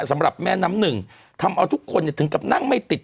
สำหรับแม่น้ำหนึ่งทำเอาทุกคนถึงกับนั่งไม่ติด